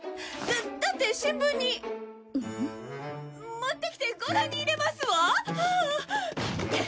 持ってきてご覧にいれますわ！